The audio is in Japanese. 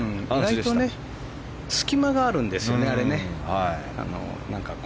意外と隙間があるんですよね。